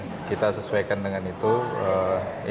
jadi kita sesuaikan aja dengan kondisi pasarian